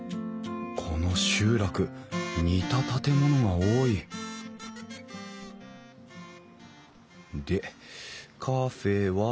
この集落似た建物が多いでカフェは？